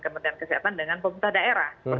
kementerian kesehatan dengan pemerintah daerah